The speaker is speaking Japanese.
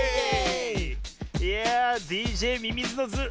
いやあＤＪミミズのズー